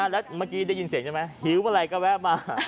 แล้วเมื่อกี้ได้ยินเสียงใช่ไหมหิวเมื่อไหร่ก็แวะมา